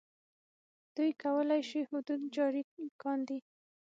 دوی کولای شي حدود جاري کاندي.